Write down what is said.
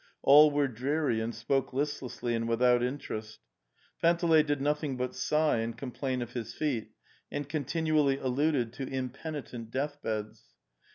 All were dreary and spoke listlessly and without interest. Panteley did nothing but sigh and complain of his feet, and continually alluded to impenitent death beds.